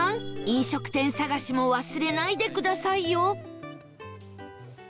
飲食店探しも忘れないでくださいよ